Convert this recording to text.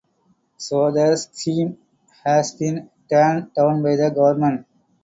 So the scheme has been turned down by the Government.